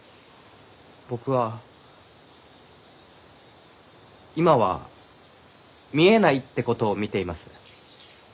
僕は今は見えないってことを見ています。